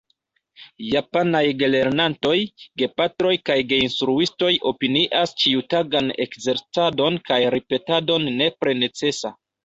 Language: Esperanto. Japanaj gelernantoj, gepatroj kaj geinstruistoj opinias ĉiutagan ekzercadon kaj ripetadon nepre necesa.